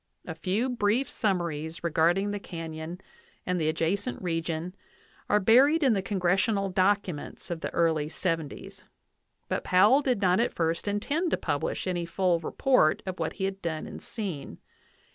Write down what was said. A few brief summaries regarding the canyon and the adjacent region are buried in the congressional documents of the early '705; but Powell did not at first intend to publish any full report of what he had done and seen.